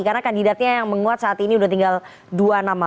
karena kandidatnya yang menguat saat ini sudah tinggal dua nama